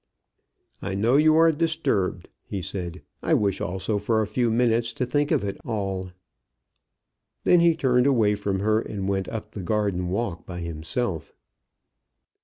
"I know you are disturbed," he said. "I wish also for a few minutes to think of it all." Then he turned away from her, and went up the garden walk by himself.